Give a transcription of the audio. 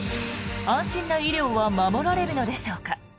安心な医療は守られるのでしょうか。